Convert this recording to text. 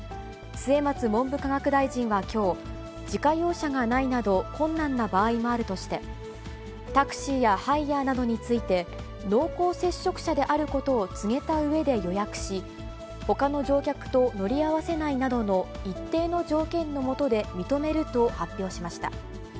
末松文部科学大臣はきょう、自家用車がないなど、困難な場合もあるとして、タクシーやハイヤーなどについて、濃厚接触者であることを告げたうえで予約し、ほかの乗客と乗り合わせないなどの一定の条件のもとで認めると発表しました。